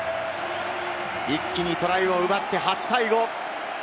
一気にトライを奪って８対５。